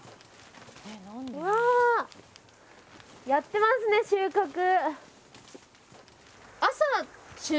うわあやってますね収穫。